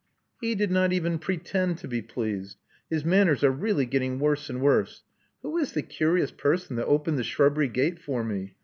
•*He did not even pretend to be plfeased. His manners are really getting worse and worse. Who is the curious person that opened the shrubbery gate for me?